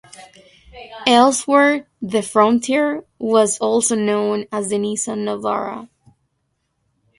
Elsewhere, the Frontier was also known as the Nissan Navara.